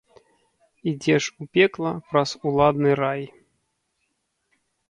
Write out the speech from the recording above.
Ідзеш у пекла праз уладны рай.